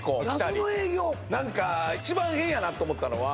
何か一番変やなと思ったのは